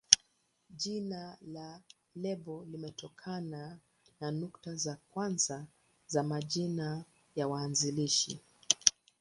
Jina la lebo limetokana na nukta za kwanza za majina ya waanzilishi.